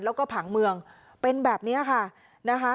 แล้วก็ผังเมืองเป็นแบบนี้ค่ะนะคะ